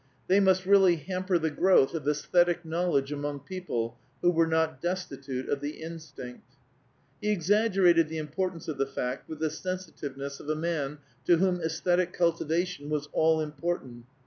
They must really hamper the growth of æsthetic knowledge among people who were not destitute of the instinct. He exaggerated the importance of the fact with the sensitiveness of a man to whom æsthetic cultivation was all important.